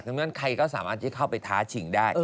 เพราะฉะนั้นใครก็สามารถจะเข้าไปท้าชิงได้